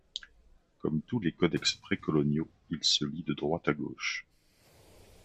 Comme tous les codex précoloniaux, il se lit de droite à gauche.